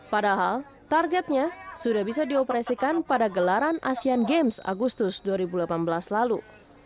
padahal targetnya sudah bisa dioperasikan pada gelaran asean games agustus dua ribu delapan belas lalu